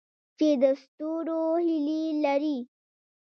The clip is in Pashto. چې د ستورو هیلې لري؟